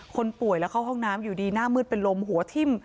คนป่วยแล้วเข้าห้องน้ำอยู่ดีหน้ามืดเป็นลมหัวทิ่ม